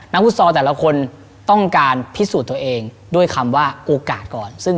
นักภูรสรทุกคนต้องการพิสูจน์ตัวเองด้วยคำว่าโอกาสก่อน